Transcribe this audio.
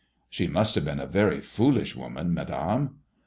'* She must have been a very foolish woman, Madame."